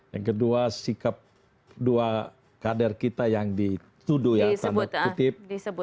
yang kedua sikap dua kader kita yang dituduh ya tanda kutip